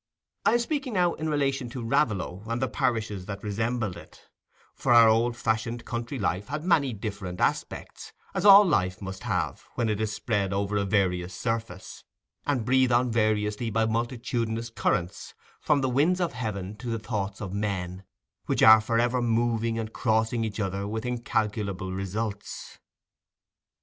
I am speaking now in relation to Raveloe and the parishes that resembled it; for our old fashioned country life had many different aspects, as all life must have when it is spread over a various surface, and breathed on variously by multitudinous currents, from the winds of heaven to the thoughts of men, which are for ever moving and crossing each other with incalculable results.